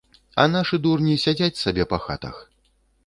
А нашы дурні сядзяць сабе па хатах.